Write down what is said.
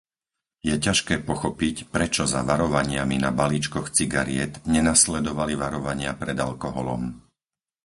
Je ťažké pochopiť, prečo za varovaniami na balíčkoch cigariet nenasledovali varovania pred alkoholom.